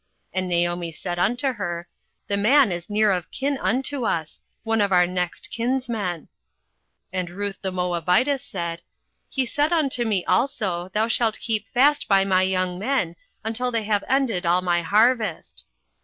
And Naomi said unto her, The man is near of kin unto us, one of our next kinsmen. 08:002:021 And Ruth the Moabitess said, He said unto me also, Thou shalt keep fast by my young men, until they have ended all my harvest.